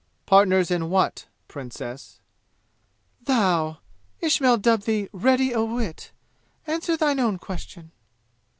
"Partners in what, Princess?" "Thou Ismail dubbed thee Ready o' wit! answer thine own question!"